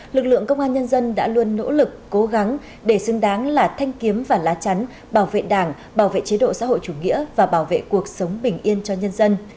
lực lượng công an nhân dân đã luôn nỗ lực cố gắng để xứng đáng là thanh kiếm và lá chắn bảo vệ đảng bảo vệ chế độ xã hội chủ nghĩa và bảo vệ cuộc sống bình yên cho nhân dân